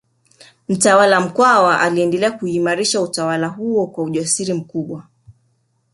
Mtawala Mkwawa aliendelea kuuimarisha utawala huo kwa ujasiri mkubwa